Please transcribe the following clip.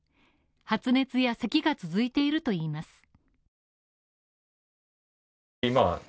発熱やせきが続いているといいます。